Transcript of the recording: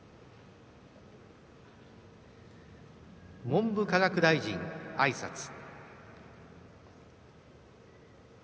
文部科学大臣あいさつ。